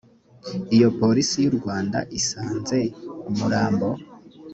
iyo polisi y u rwanda isanze umurambo